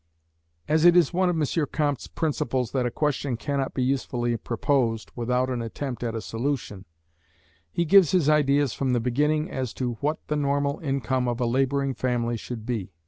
As it is one of M. Comte's principles that a question cannot be usefully proposed without an attempt at a solution, he gives his ideas from the beginning as to what the normal income of a labouring family should be.